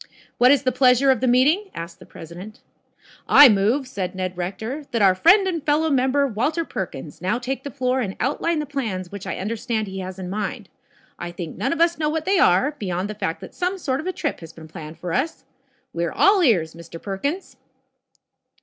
"What is the pleasure of the meeting?" asked the president. "I move," said Ned Rector, "that our friend and fellow member, Walter Perkins, now take the floor and outline the plans which I understand he has in mind. I think none of us know what they are, beyoud the fact that some sort of a trip has been planned for us. We are all ears, Mr. Perkins."